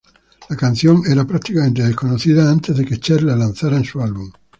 La canción era prácticamente desconocida antes que Cher la lanzara en su álbum.